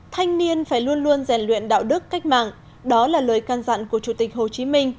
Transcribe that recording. thanh niên phải luôn luôn rèn luyện đạo đức cách mạng đó là lời can dặn của chủ tịch hồ chí minh